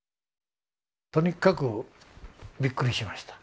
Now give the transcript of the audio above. とにかくびっくりしました。